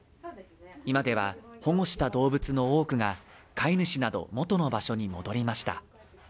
今では保護した動物の多くが飼い主など元の場所に戻りました。